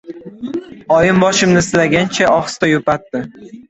Oyim boshimni silagancha, ohista yupatdi.